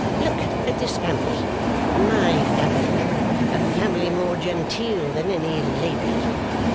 Look at this family my family a family more genteel than any lady.